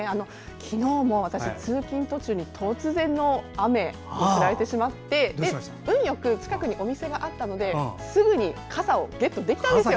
昨日も私、通勤途中に突然の雨に降られてしまって運よく近くにお店があったのですぐに傘をゲットできたんですよ。